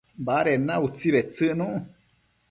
baded na utsi bedtsëcnu